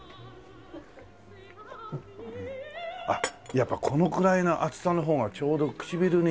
やっぱこのくらいの厚さの方がちょうど唇にいいね。